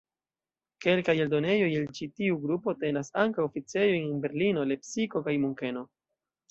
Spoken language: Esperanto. Kelkaj eldonejoj el ĉi tiu grupo tenas ankaŭ oficejojn en Berlino, Lepsiko kaj Munkeno.